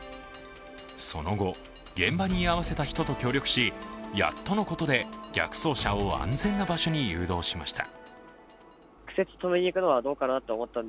その後、現場に居合わせた人と協力し、やっとのことで逆走車を安全な場所に誘導しました。